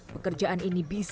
pekerjaan ini bisa mengembangkan